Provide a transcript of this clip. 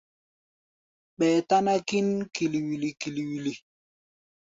Ɓɛɛ táná kín kili-wili kili-wili.